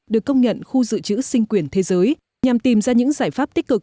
được công nhận khu dự trữ sinh quyển thế giới nhằm tìm ra những giải pháp tích cực